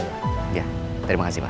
iya terima kasih pak